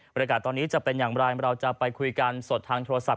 บริการตอนนี้จะเป็นอย่างไรเราจะไปคุยกันสดทางโทรศัพ